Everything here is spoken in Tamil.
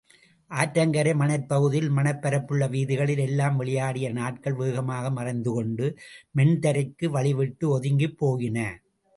ஆற்றங்கரை மணற்பகுதியில், மணற்பரப்புள்ள வீதிகளில் எல்லாம் விளையாடிய நாட்கள் வேகமாக மறைந்துகொண்டு, மென்தரைக்கு வழிவிட்டு ஒதுங்கிப் போயின.